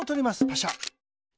パシャ。